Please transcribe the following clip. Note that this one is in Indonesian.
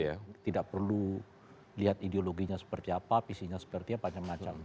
jadi tidak perlu lihat ideologinya seperti apa visinya seperti apa macam macam